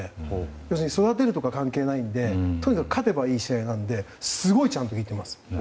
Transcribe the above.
要するに育てるとか関係ないのでとにかく勝てばいい試合なのですごくちゃんと聞いています。